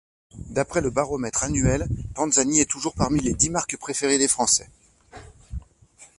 D'après le baromètre annuel, Panzani est toujours parmi les dix marques préférées des Français.